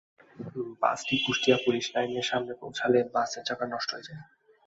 বাসটি কুষ্টিয়া পুলিশ লাইনের সামনে পৌঁছালে বাসের চাকা নষ্ট হয়ে যায়।